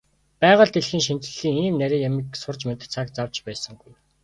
Байгаль дэлхийн шинжлэлийн ийм нарийн юмыг сурч мэдэх цаг зав ч байсангүй.